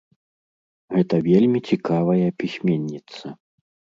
Гэта вельмі цікавая пісьменніца.